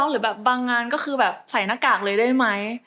หรือแบบบางงานก็คือแบบใส่หน้ากากเลยได้ไหม